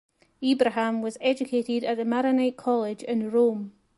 Ibrahim was educated at the Maronite College in Rome.